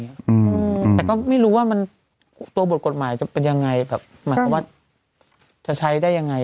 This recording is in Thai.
ยิ่งแต่ก็ไม่รู้ว่ามันตัวบทกฎหมายจำเป็นยังไงครับก็ว่าจะใช้ได้ยังไง